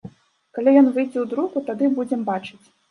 Калі ён выйдзе ў друку, тады будзем бачыць.